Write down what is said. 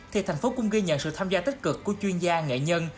thì thành phố cũng ghi nhận sự tham gia tích cực của chuyên gia nghệ nhân